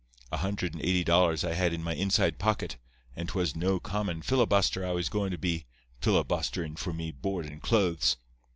A hundred and eighty dollars I had in my inside pocket, and 'twas no common filibuster I was goin' to be, filibusterin' for me board and clothes.